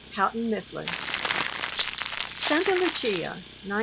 Houghton Mifflin. Santa Lucia, 1908.